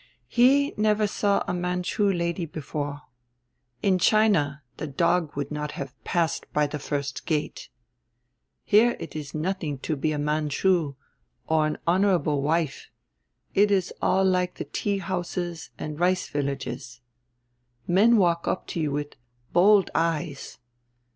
"He never saw a Manchu lady before. In China the dog would not have passed by the first gate. Here it is nothing to be a Manchu or an honorable wife; it is all like the tea houses and rice villages. Men walk up to you with bold eyes.